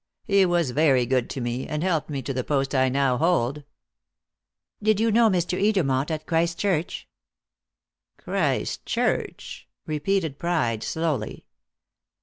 He was very good to me, and helped me to the post I now hold." "Did you know Mr. Edermont at Christchurch?" "Christchurch?" repeated Pride slowly.